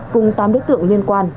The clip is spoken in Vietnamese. cùng tám đối tượng liên quan